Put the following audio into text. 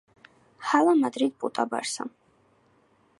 ჰალა მადრიდ პუტა ბარსა